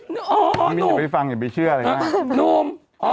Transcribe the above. นี่มิ่นูพี่ฟังอย่าไปเชื่อเลยนะ